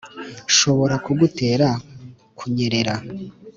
nshobora kugutera kunyerera